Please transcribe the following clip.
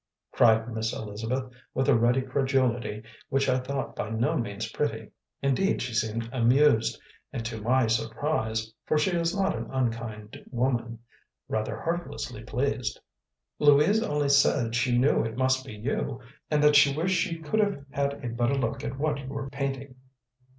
cried Miss Elizabeth, with a ready credulity which I thought by no means pretty; indeed, she seemed amused and, to my surprise (for she is not an unkind woman), rather heartlessly pleased. "Louise only said she knew it must be you, and that she wished she could have had a better look at what you were painting."